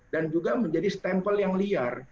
dan juga menjadi stempel yang liar